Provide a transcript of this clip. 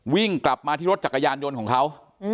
วิ่งกลับมาที่รถจักรยานยนต์ของเขา